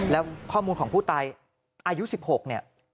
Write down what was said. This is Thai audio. แล้วข้อมูลของผู้ตายอายุ๑๖เนี่ย